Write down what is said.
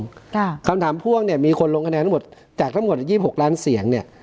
ค่ะคำถามพ่วงเนี่ยมีคนลงคะแนนทั้งหมดจากทั้งหมดยี่หกล้านเสียงเนี้ย